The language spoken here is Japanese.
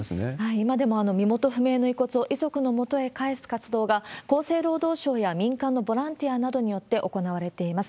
今でも身元不明の遺骨を遺族のもとへ返す活動が、厚生労働省や民間のボランティアなどによって行われています。